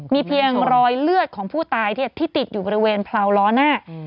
มีเพียงรอยเลือดของผู้ตายที่ติดอยู่บริเวณพลาวล้อหน้า